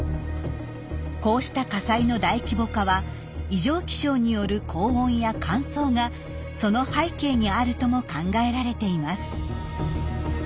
こうした火災の大規模化は異常気象による高温や乾燥がその背景にあるとも考えられています。